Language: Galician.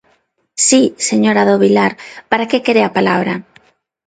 Si, señora do Vilar, ¿para que quere a palabra?